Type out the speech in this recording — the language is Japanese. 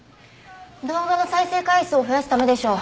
動画の再生回数を増やすためでしょ。